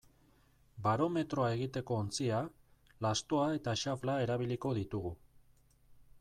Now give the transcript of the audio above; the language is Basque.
Barometroa egiteko ontzia, lastoa eta xafla erabiliko ditugu.